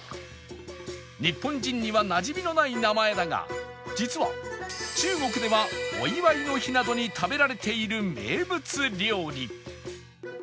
日本人にはなじみのない名前だが実は中国ではお祝いの日などに食べられている名物料理